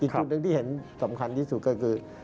จุดหนึ่งที่เห็นสำคัญที่สุดก็คือ